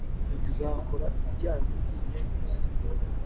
Izikora ibijyanye n ubucukuzi